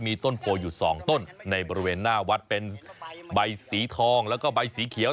มีต้นโพอยู่สองต้นในบริเวณหน้าวัดเป็นใบสีทองแล้วก็ใบสีเขียว